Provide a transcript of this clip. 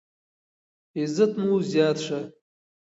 عزت مو زیات شه.